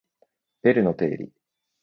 ベルの定理